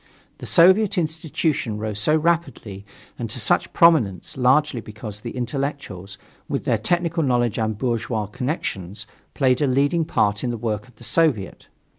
The soviet institution rose so rapidly, and to such prominence, largely because the intellectuals, with their technical knowledge and bourgeois connections, played a leading part in the work of the soviet.